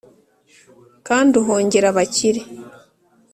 kandi uhongera abakire,